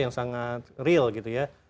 yang sangat real gitu ya